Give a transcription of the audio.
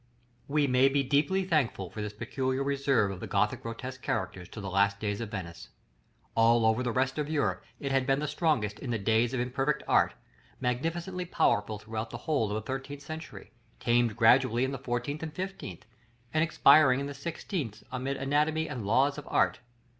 § LXXIII. We may be deeply thankful for this peculiar reserve of the Gothic grotesque character to the last days of Venice. All over the rest of Europe it had been strongest in the days of imperfect art; magnificently powerful throughout the whole of the thirteenth century, tamed gradually in the fourteenth and fifteenth, and expiring in the sixteenth amidst anatomy and laws of art.